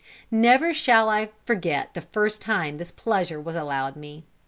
Never shall I forget the first time this pleasure was allowed me.